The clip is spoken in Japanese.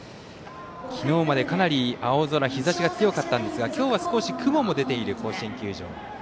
昨日までかなり青空日ざしが強かったんですが今日は少し雲も出ている甲子園球場。